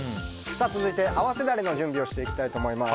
続いて、合わせダレの準備をしていきたいと思います。